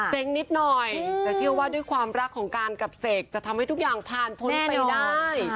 นิดหน่อยแต่เชื่อว่าด้วยความรักของการกับเสกจะทำให้ทุกอย่างผ่านพ้นไปได้